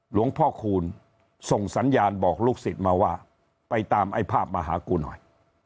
หลวงพ่อคูณส่งสัญญาณบอกลูกศิษย์มาว่าไปตามไอ้ภาพมาหากูหน่อย